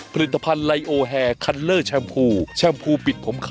ผลิตภัณฑ์ไลโอแฮคันเลอร์แชมพูแชมพูปิดผมขา